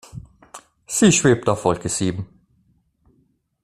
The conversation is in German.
Sie schwebt auf Wolke sieben.